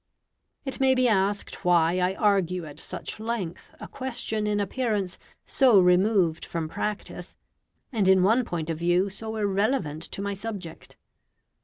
It may be asked why I argue at such length a question in appearance so removed from practice, and in one point of view so irrelevant to my subject.